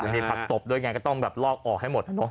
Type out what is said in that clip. มีผักตบด้วยไงก็ต้องแบบลอกออกให้หมด